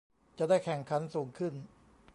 จะได้แข่งขันสูงขึ้น